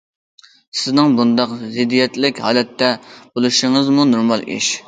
سىزنىڭ بۇنداق زىددىيەتلىك ھالەتتە بولۇشىڭىزمۇ نورمال ئىش.